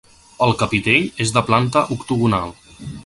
El capitell és de planta octogonal.